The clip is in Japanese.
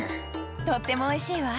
とってもおいしいわ。